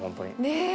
ねえ！